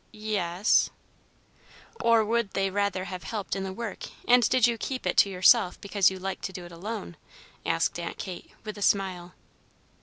"Y es " "Or would they rather have helped in the work, and did you keep it to yourself because you liked to do it alone?" asked Aunt Kate, with a smile.